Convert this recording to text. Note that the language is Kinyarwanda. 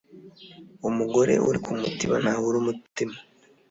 Umugore uri ku mutiba ntabura umutima.